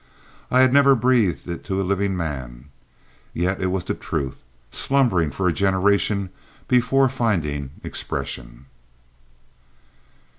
I had never breathed it to a living man, yet it was the truth, slumbering for a generation before finding expression.